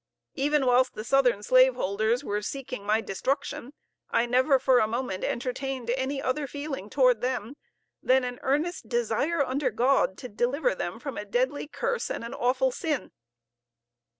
Even whilst the Southern slave holders were seeking my destruction, I never for a moment entertained any other feeling toward them than an earnest desire, under God, to deliver them from a deadly curse and an awful sin.